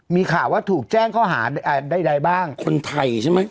มีข่าวว่าถูกแจ้งข้อหาใดบ้างคนไทยใช่ไหม